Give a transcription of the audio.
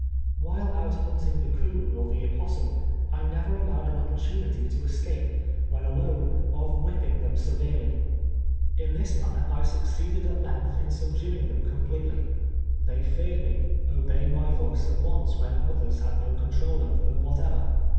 While out hunting the coon or the opossum, I never allowed an opportunity to escape, when alone, of whipping them severely. In this man ner I succeeded at length in subduing them com pletely. They feared me, obeying my voice at once when others had no control over them whatever.